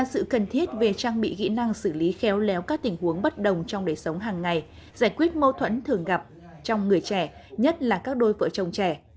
sự cần thiết về trang bị kỹ năng xử lý khéo léo các tình huống bất đồng trong đời sống hàng ngày giải quyết mâu thuẫn thường gặp trong người trẻ nhất là các đôi vợ chồng trẻ